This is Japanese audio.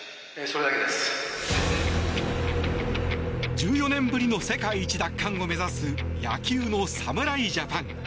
１４年ぶりの世界一奪還を目指す野球の侍ジャパン。